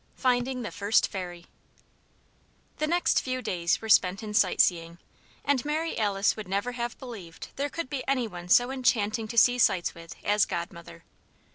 III FINDING THE FIRST FAIRY The next few days were spent in sightseeing; and Mary Alice would never have believed there could be any one so enchanting to see sights with as Godmother.